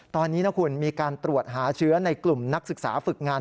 ตอนนี้นะคุณมีการตรวจหาเชื้อในกลุ่มนักศึกษาฝึกงาน